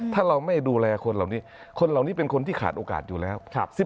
ถ้าเราไม่ดูแลคนเหล่านี้คนเหล่านี้เป็นคนที่ขาดโอกาสอยู่แล้ว